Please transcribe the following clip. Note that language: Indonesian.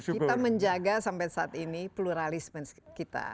kita menjaga sampai saat ini pluralisme kita